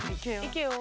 行けよ？